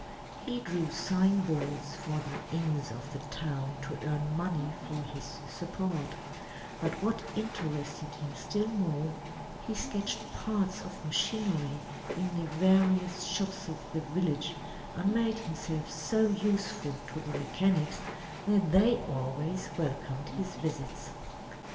He drew sign boards for the inns of the town to earn money for his support; but what interested him still more, he sketched parts of machinery in the various shops of the village and made himself so useful to the mechanics that they always welcomed his visits.